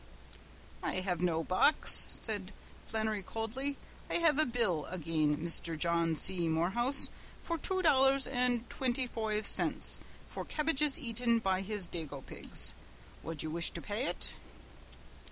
"I hev no box," said Flannery coldly. "I hev a bill agin Misther John C. Morehouse for two dollars and twinty foive cints for kebbages aten by his dago pigs. Wud you wish to pay ut?"